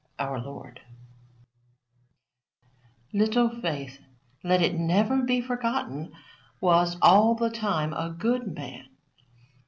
Our Lord. Little Faith, let it never be forgotten, was, all the time, a good man.